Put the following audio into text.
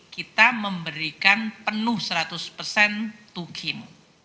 kita memberikan penuh seratus persen tukin